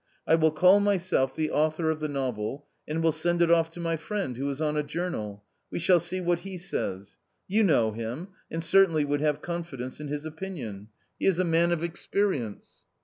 I will call myself the author of the novel, and will send it off to my friend, who is on a journal : we shall see what he says. You know him, and certainly would have confidence in his opinion. He is a man of experience.